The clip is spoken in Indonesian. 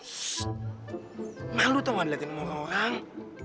sssst malu tau gak diliatin sama orang orang